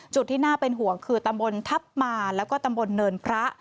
ที่น่าเป็นห่วงคือตำบลทัพมาแล้วก็ตำบลเนินพระ